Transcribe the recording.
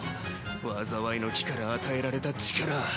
災いの樹から与えられた力。